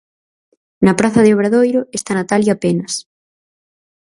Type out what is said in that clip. Na praza de Obradoiro está Natalia Penas.